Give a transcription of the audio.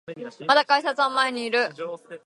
まだ改札前にいる